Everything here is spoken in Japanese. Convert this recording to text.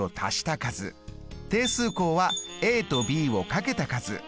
定数項はとｂをかけた数。